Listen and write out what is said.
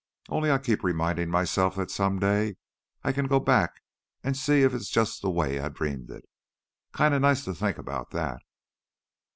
Only I keep remindin' myself that someday I can go back an' see if it's jus' the way I dreamed it. Kinda nice to think 'bout that."